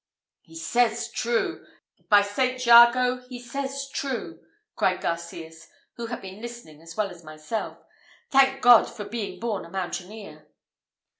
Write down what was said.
"He says true! By Saint Jago, he says true!" cried Garcias, who had been listening as well as myself. "Thank God, for being born a mountaineer!"